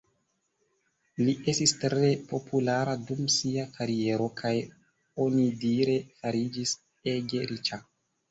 Li estis tre populara dum sia kariero, kaj onidire fariĝis ege riĉa.